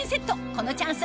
このチャンス